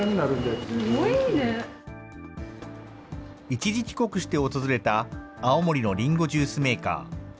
一時帰国して訪れた青森のりんごジュースメーカー。